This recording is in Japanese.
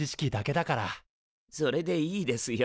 それでいいですよ。